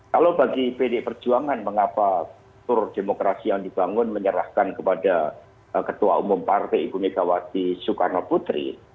kalau bagi pd perjuangan mengapa tur demokrasi yang dibangun menyerahkan kepada ketua umum partai ibu megawati soekarno putri